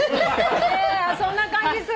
そんな感じする。